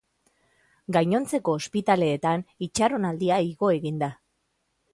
Gainontzeko ospitaleetan itxaronaldia igo egin da.